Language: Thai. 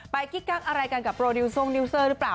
กิ๊กกักอะไรกันกับโปรดิวทรงดิวเซอร์หรือเปล่า